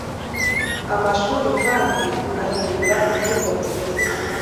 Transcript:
Amashuri kandi ahindura imyifatire ye.